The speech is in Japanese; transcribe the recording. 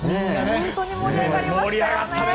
本当に盛り上がりましたよね。